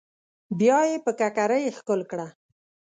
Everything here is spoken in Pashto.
بيا يې پر ککرۍ ښکل کړه.